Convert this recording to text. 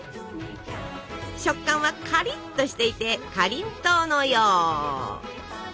食感はかりっとしていてかりんとうのよう！